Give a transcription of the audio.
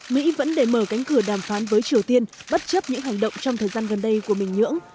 mỹ vẫn để mở cánh cửa đàm phán với triều tiên bất chấp những hành động trong thời gian gần đây của bình nhưỡng